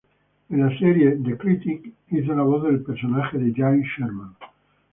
En la serie "The Critic", hizo la voz del personaje de Jay Sherman.